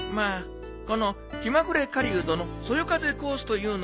この気まぐれ狩人のそよ風コースというの４人前下さい。